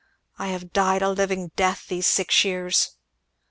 I have died a living death these six years!